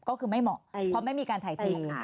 ก็คือไม่เหมาะเพราะไม่มีการถ่ายตีค่ะ